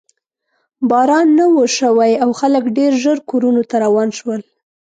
باران نه و شوی او خلک ډېر ژر کورونو ته روان شول.